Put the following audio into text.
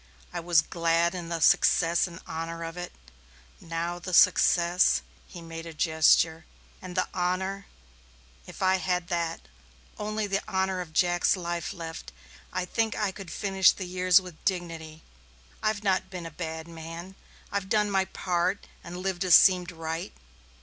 I was glad in the success and honor of it. Now the success " he made a gesture. "And the honor if I had that, only the honor of Jack's life left, I think I could finish the years with dignity. I've not been a bad man I've done my part and lived as seemed right.